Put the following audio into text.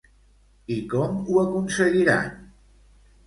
I com ho aconseguiran?